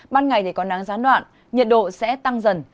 ban ngày thì có nắng gián đoạn nhiệt độ sẽ tăng dần